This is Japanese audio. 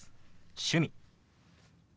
「趣味」。